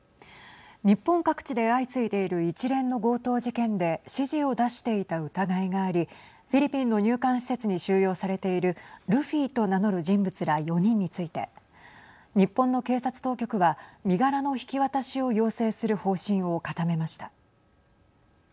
日本各地で相次いでいる一連の強盗事件で指示を出していた疑いがありフィリピンの入管施設に収容されているルフィと名乗る人物ら４人について日本の警察当局は身柄の引き渡しを要請する方針を固めました。